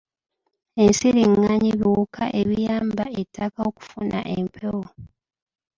Ensiringanyi biwuka ebiyamba ettaka okufuna empewo.